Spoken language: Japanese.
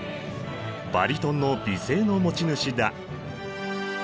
バリトンの美声の持ち主だ！